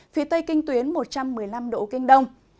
phía tây kinh tuyến một trăm một mươi năm độ kinh đông